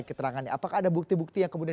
keterangannya apakah ada bukti bukti yang kemudian